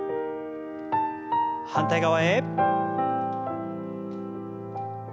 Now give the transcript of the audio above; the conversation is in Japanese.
反対側へ。